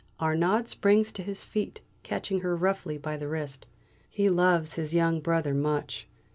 Arnaud springs to his feet, catching her roughly by the wrist. He loves his young brother much.